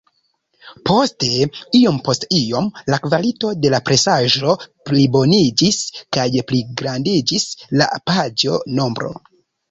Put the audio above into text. Poste, iom-post-iom la kvalito de la presaĵo pliboniĝis, kaj pligrandiĝis la paĝo-nombro.